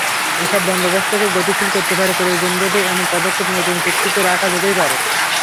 এসব বন্দোবস্তকে গতিশীল করতে পারে, প্রয়োজনবোধে এমন পদক্ষেপ নতুন চুক্তিতে রাখা যেতেই পারে।